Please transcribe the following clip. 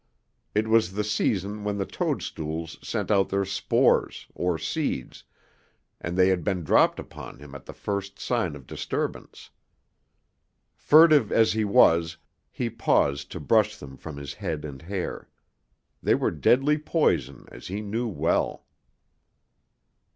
It was the season when the toadstools sent out their spores, or seeds, and they had been dropped upon him at the first sign of disturbance. Furtive as he was, he paused to brush them from his head and hair. They were deadly poison, as he knew well.